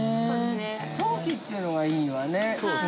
陶器というのがいいわね。